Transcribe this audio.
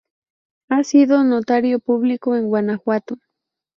Ha sido notario público en Guanajuato.